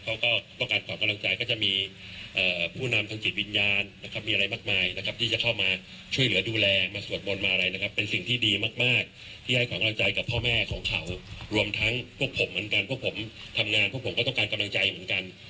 เขาก็ต้องการขอกำลังใจก็จะมีผู้นำทางจิตวิญญาณนะครับมีอะไรมากมายนะครับที่จะเข้ามาช่วยเหลือดูแลมาสวดมนต์มาอะไรนะครับเป็นสิ่งที่ดีมากที่ให้กำลังใจกับพ่อแม่ของเขารวมทั้งพวกผมเหมือนกันพวกผมทำงานพวกผมก็ต้องการกำลังใจเหมือนกัน